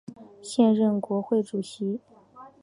现任国会主席。